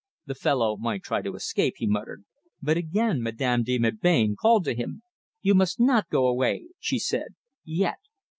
"The fellow might try to escape," he muttered; but again Madame de Melbain called to him. "You must not go away," she said, "yet!"